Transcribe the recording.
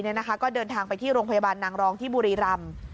ก็เดินทางไปที่โรงพยาบาลนางรองที่บุรีรำ